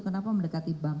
kenapa mendekati bank